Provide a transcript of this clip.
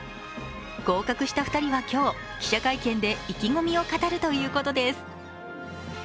合格した２人は今日、記者会見で意気込みを語るということです。